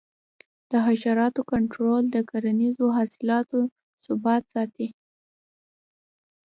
د حشراتو کنټرول د کرنیزو حاصلاتو ثبات ساتي.